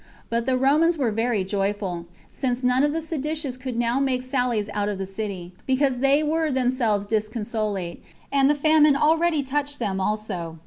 But the Romans were very joyful, since none of the seditious could now make sallies out of the city, because they were themselves disconsolate, and the famine already touched them also.